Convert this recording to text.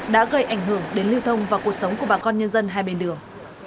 đã gây ảnh hưởng đến lưu thông và cuộc sống của bà con nhân dân hai bên đường